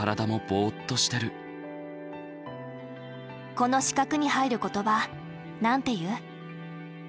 この四角に入る言葉何て言う？